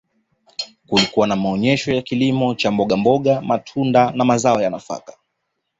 kulikuwa na maonesho ya kilimo cha mbogamboga matunda na mazao ya nafaka